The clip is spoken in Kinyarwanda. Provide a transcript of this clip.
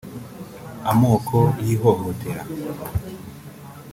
amoko y’ihohotera